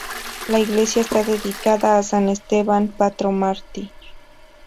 La iglesia está dedicada a san Esteban Protomártir.